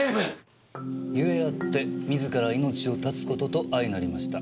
「故あって自ら命を絶つこととあいなりました」